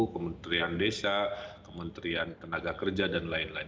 kementerian desa kementerian tenaga kerja dan lain lain